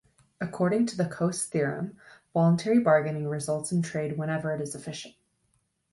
According to the Coase theorem, voluntary bargaining results in trade whenever it is efficient.